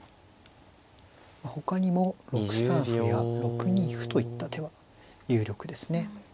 ほかにも６三歩や６二歩といった手は有力ですね。